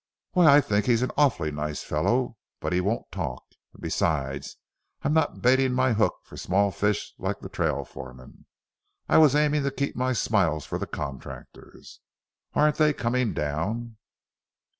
"Why, I think he's an awful nice fellow, but he won't talk. And besides, I'm not baiting my hook for small fish like trail foremen; I was aiming to keep my smiles for the contractors. Aren't they coming down?"